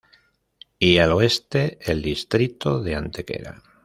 Y al oeste el distrito de Antequera.